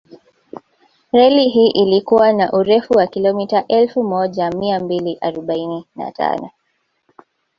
Reli hii ilikuwa na urefu wa kilomita Elfu moja mia mbili arobaini na tano